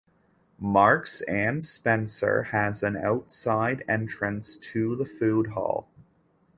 Marks and Spencer has an outside entrance to the foodhall.